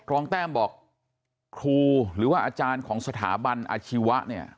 แต้มบอกครูหรือว่าอาจารย์ของสถาบันอาชีวะเนี่ย